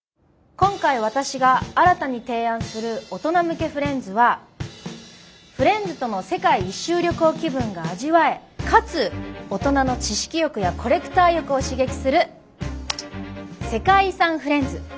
今回私が新たに提案する大人向けフレンズはフレンズとの世界一周旅行気分が味わえかつ大人の知識欲やコレクター欲を刺激する世界遺産フレンズ。